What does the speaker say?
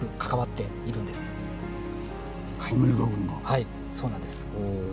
はいそうなんです。